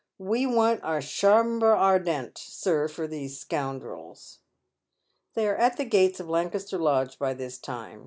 We want our Chambre Ardente, Bir, for these scoundrels." They are at the gates of Lancaster Lodge by this time.